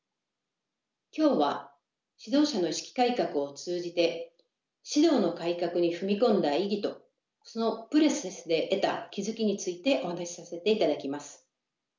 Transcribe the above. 今日は指導者の意識改革を通じて指導の改革に踏み込んだ意義とそのプロセスで得た気付きについてお話しさせていただきます。